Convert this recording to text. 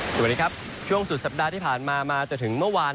สวัสดีครับช่วงสุดสัปดาห์ที่ผ่านมามาจนถึงเมื่อวาน